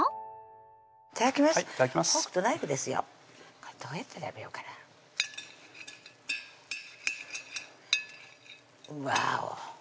これどうやって食べようかなうわぉ